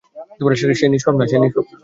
সে নিষ্পাপ না।